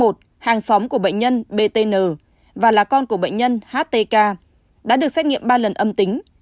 bệnh nhân của bệnh nhân b t n và là con của bệnh nhân h t k đã được xét nghiệm ba lần âm tính